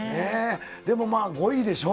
でもまあ、５位でしょ。